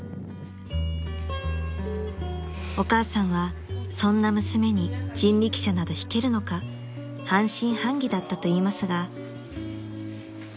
［お母さんはそんな娘に人力車など引けるのか半信半疑だったといいますが］